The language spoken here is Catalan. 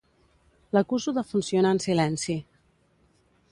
L'acuso de funcionar en silenci.